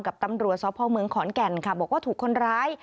กับตำรวจสพเมืองขอนแก่นค่ะบอกว่าถูกคนร้าย